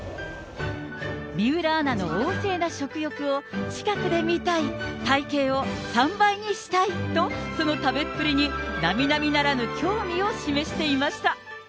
水卜アナの旺盛な食欲を近くで見たい、体形を３倍にしたいと、その食べっぷりになみなみならぬ興味を示していました。